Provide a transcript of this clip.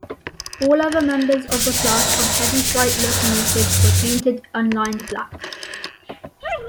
All other members of the class of heavy freight locomotives were painted unlined black.